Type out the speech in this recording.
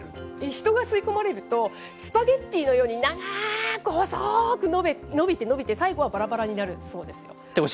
人が吸い込まれると、スパゲティーのように長ーく、細ーく伸びて伸びて、最後はばらばらになるそうです。